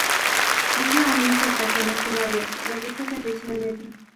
Es la única estación a cielo abierto de dicho servicio de metro.